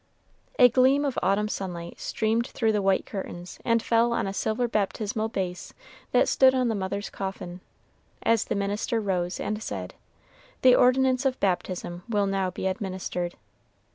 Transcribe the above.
A gleam of autumn sunlight streamed through the white curtains, and fell on a silver baptismal vase that stood on the mother's coffin, as the minister rose and said, "The ordinance of baptism will now be administered."